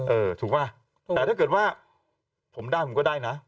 เออถูกป่ะแต่ถ้าเกิดว่าผมได้ผมก็ได้นะ